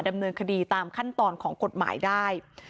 ดำเนินคดีตามขั้นตอนของกฎหมายได้